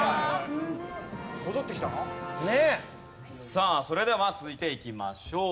さあそれでは続いていきましょう。